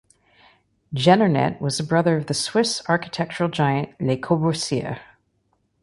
Jeanneret was the brother of the Swiss architectural giant Le Corbusier.